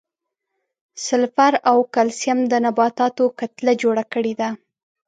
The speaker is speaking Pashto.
سلفر او کلسیم د نباتاتو کتله جوړه کړې ده.